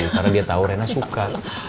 karena dia tahu rina suka